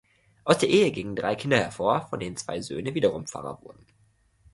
Aus der Ehe gingen drei Kinder hervor, von denen zwei Söhne wiederum Pfarrer wurden.